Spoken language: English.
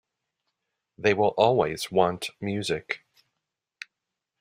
They will always want music.